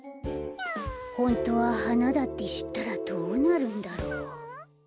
ホントははなだってしったらどうなるんだろう？